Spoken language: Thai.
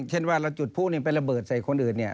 เช่นว่าเราจุดผู้หนึ่งไประเบิดใส่คนอื่นเนี่ย